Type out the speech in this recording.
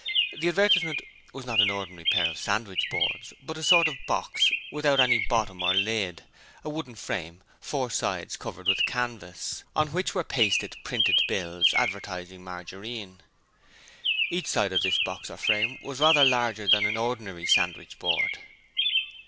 The advertisement was not an ordinary pair of sandwich boards, but a sort of box without any bottom or lid, a wooden frame, four sides covered with canvas, on which were pasted printed bills advertising margarine. Each side of this box or frame was rather larger than an ordinary sandwich board.